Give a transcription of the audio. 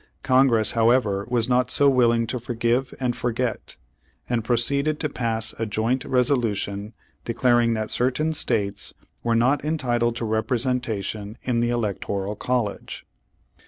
Congress, however, was not so willing to forgive and forget, and proceeded to pass a joint resolu Page One Hundred'forl!5 five tion declaring that certain States "were not en titled to representation in the electoral college."